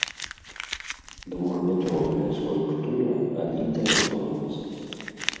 Двухметровая скульптура адлітая з бронзы.